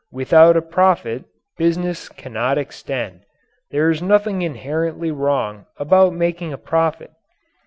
Without a profit, business cannot extend. There is nothing inherently wrong about making a profit.